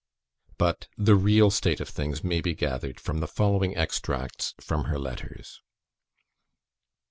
But the real state of things may be gathered from the following extracts from her letters.